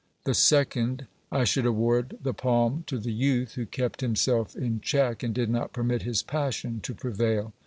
The second: "I should award the palm to the youth, who kept himself in check, and did not permit his passion to prevail."